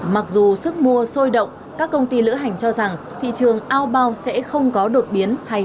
mặc dù sức mua sôi động các công ty lữ hành cho rằng thị trường ao bao sẽ không có đột biến